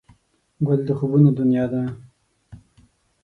ګل د خوبونو دنیا ده.